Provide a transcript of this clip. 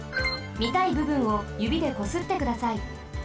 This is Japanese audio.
みたいぶぶんをゆびでこすってください。